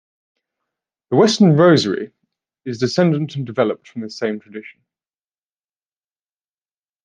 The western Rosary is descendent and developed from this same tradation.